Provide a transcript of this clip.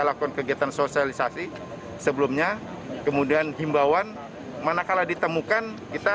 lakukan kegiatan sosialisasi sebelumnya kemudian himbauan manakala ditemukan kita